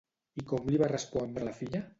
I com li va respondre la filla?